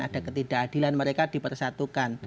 ada ketidakadilan mereka dipersatukan